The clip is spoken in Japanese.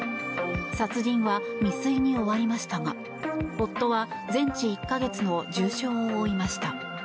殺人は未遂に終わりましたが夫は全治１か月の重傷を負いました。